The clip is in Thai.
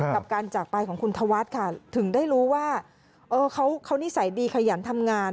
กับการจากไปของคุณธวัฒน์ค่ะถึงได้รู้ว่าเขานิสัยดีขยันทำงาน